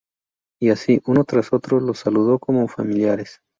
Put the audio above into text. Y así, uno tras otro, los saludó como familiares.